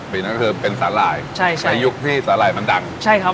ปีนั้นก็คือเป็นสาหร่ายใช่ใช่ในยุคที่สาหร่ายมันดังใช่ครับ